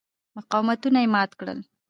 مقاومتونه یې مات کړل.